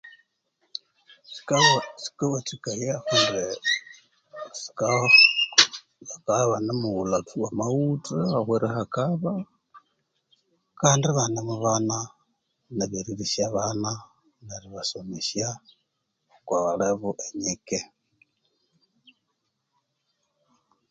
Sikawathikaya kundi sika bakabya ibanemughulha amaghutha awerihakaba Kandi ibanemubana ebyerilisya abana neribasomesha oko levu enyike